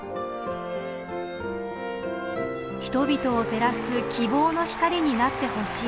人々を照らす希望の光になってほしい。